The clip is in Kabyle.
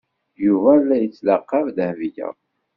Yuba la yettlaqab Dahbiya.